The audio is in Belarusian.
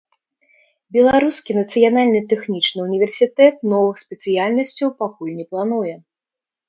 Беларускі нацыянальны тэхнічны ўніверсітэт новых спецыяльнасцяў пакуль не плануе.